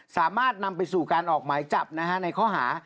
สามารถนำไปสู่การออกหมายจับในข้อหา